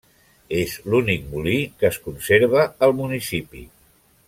És l'únic molí que es conserva al municipi.